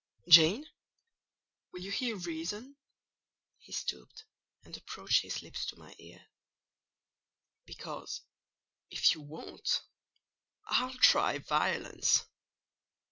"Jane! will you hear reason?" (he stooped and approached his lips to my ear); "because, if you won't, I'll try violence."